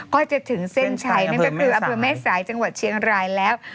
ก็จะถึงเส้นชัยนั่นก็คืออำเภอแม่สายจังหวัดเชียงรายแล้ว